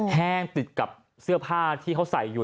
แห้งติดกับเสื้อผ้าที่เขาใส่อยู่